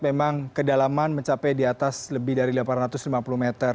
memang kedalaman mencapai di atas lebih dari delapan ratus lima puluh meter